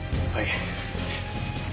はい。